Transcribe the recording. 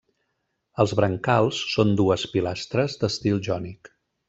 Els brancals són dues pilastres d'estil jònic.